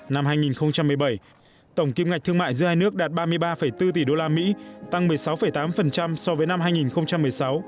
năm hai nghìn một mươi bảy tổng kiếm ngạch thương mại giữa hai nước đạt ba mươi ba bốn tỷ đô la mỹ tăng một mươi sáu tám so với năm hai nghìn một mươi sáu